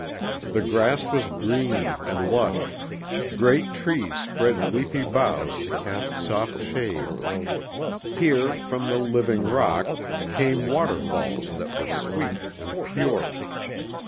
The grass was green and lush; great trees spread leafy boughs to cast soft shade. Here, from the living rock, came waterfalls that were sweet and pure.